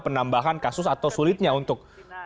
penambahan kasus atau sulitnya untuk